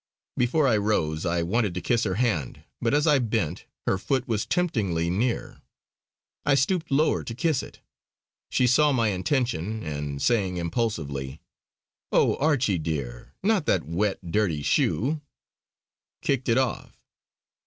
Before I rose I wanted to kiss her hand, but as I bent, her foot was temptingly near. I stooped lower to kiss it. She saw my intention and saying impulsively: "Oh, Archie dear, not that wet, dirty shoe," kicked it off.